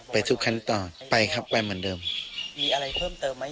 ทุกขั้นตอนไปครับไปเหมือนเดิมมีอะไรเพิ่มเติมไหม